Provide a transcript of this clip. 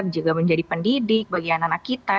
juga menjadi pendidik bagi anak anak kita